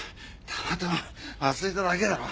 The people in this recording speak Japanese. たまたま忘れただけだろ。